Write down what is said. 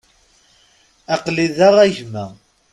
Aql-i da a gma.